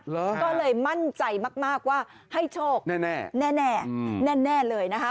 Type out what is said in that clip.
เหรอก็เลยมั่นใจมากว่าให้โชคแน่แน่เลยนะคะ